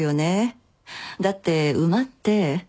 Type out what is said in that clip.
だって馬って。